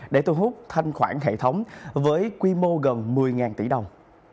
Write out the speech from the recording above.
để thu hút thanh khoản hệ thống với quy mô gần một mươi tỷ đồng